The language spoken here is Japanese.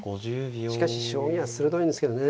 しかし将棋は鋭いんですけどね